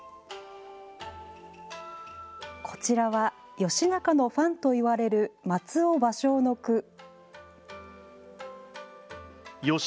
こちらは義仲のファンといわれる松尾芭蕉の句。